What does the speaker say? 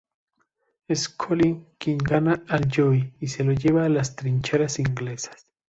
Es Collin quien gana a Joey y se lo lleva a las trincheras inglesas.